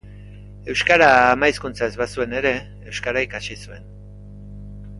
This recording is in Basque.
Euskara ama hizkuntza ez bazuen ere, euskara ikasi zuen.